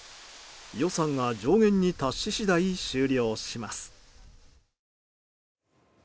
予算が上限に達し次第終了します。